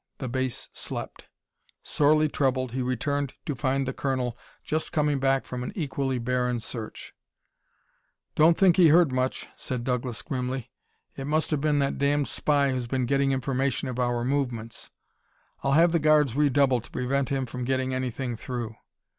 The base slept. Sorely troubled, he returned to find the colonel just coming back from an equally barren search: "Don't think he heard much," said Douglas grimly. "It must have been that damned spy who's been getting information of our movements. I'll have the guards redoubled to prevent him from getting anything through."